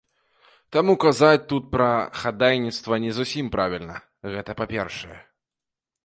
Таму казаць тут пра хадайніцтва не зусім правільна, гэта па-першае.